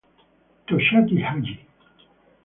Toshiaki Haji